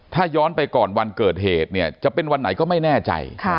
ถ้าย้อนไปก่อนวันเกิดเหตุเนี่ยจะเป็นวันไหนก็ไม่แน่ใจ